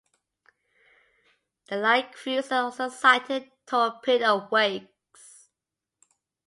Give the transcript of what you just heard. The light cruiser also sighted torpedo wakes.